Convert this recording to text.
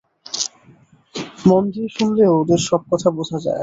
মন দিয়ে শুনলে ওদের সব কথা বোঝা যায়।